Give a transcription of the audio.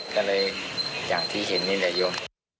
ก็เลยอย่างที่เห็นนี่แหละโยม